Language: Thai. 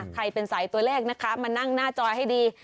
ใครเป็นสายตัวแรกมานั่งหน้าจอให้ดี